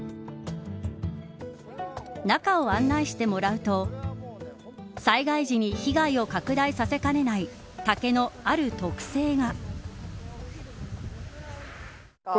中を案内してもらうと災害時に被害を拡大させかねない竹のある特性が。